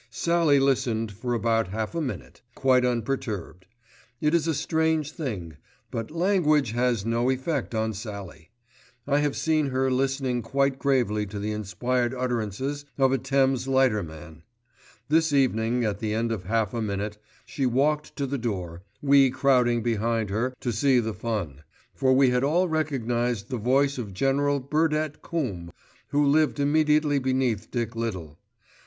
Sallie listened for about half a minute, quite unperturbed. It is a strange thing; but "language" has no effect on Sallie. I have seen her listening quite gravely to the inspired utterances of a Thames lighterman. This evening, at the end of half a minute, she walked to the door, we crowding behind her to see the fun, for we had all recognised the voice of General Burdett Coombe, who lived immediately beneath Dick Little.